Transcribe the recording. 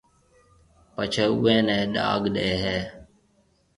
پڇيَ اوئيَ نيَ ڏاگ ڏَي ھيََََ